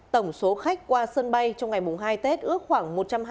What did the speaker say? tổng số khách qua sân bay trong ngày mùng hai tết ước khoảng